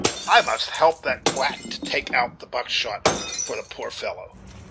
I must help that quack to take out the buckshot for the poor fellow."